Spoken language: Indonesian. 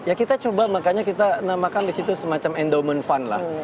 ya kita coba makanya kita namakan di situ semacam endorment fund lah